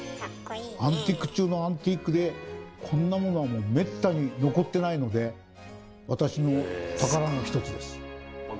アンティーク中のアンティークでこんなものは滅多に残ってないので私の宝の一つです。